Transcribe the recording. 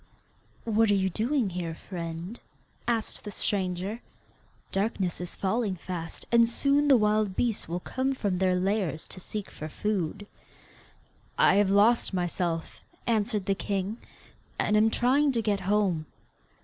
'What are you doing here, friend?' asked the stranger; 'darkness is falling fast, and soon the wild beasts will come from their lairs to seek for food.' 'I have lost myself,' answered the king, 'and am trying to get home.